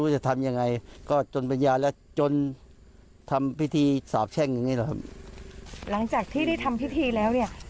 หลังจากที่ได้ทำพิธีแล้วใครอยากจะลดลงไหมคะ